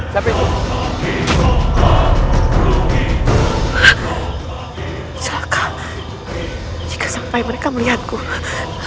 sampai jumpa di video selanjutnya